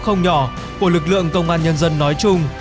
không nhỏ của lực lượng công an nhân dân nói chung